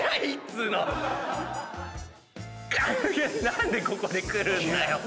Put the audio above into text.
何でここでくるんだよ！